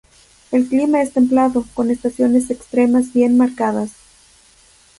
El clima es templado, con estaciones extremas bien marcadas.